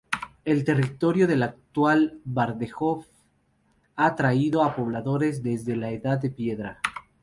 El territorio del actual Bardejov ha atraído a pobladores desde la Edad de Piedra.